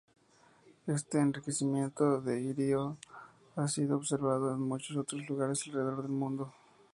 Este enriquecimiento de iridio ha sido observado en muchos otros lugares alrededor del mundo.